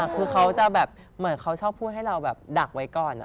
คือเขาจะแบบเหมือนเขาชอบพูดให้เราแบบดักไว้ก่อน